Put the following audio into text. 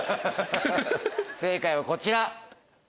正解はこちら。